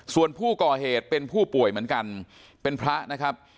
ส่วนผู้ก่อเหตุเป็นผู้ป่วยเหมือนกันเป็นพระนะครับ